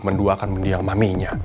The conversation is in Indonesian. menduakan mendiang maminya